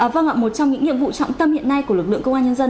vâng ạ một trong những nhiệm vụ trọng tâm hiện nay của lực lượng công an nhân dân